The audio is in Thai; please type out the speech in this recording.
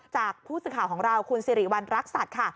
จากผู้สื่อข่าวของเราคุณสิริวัณรักษัตริย์ค่ะ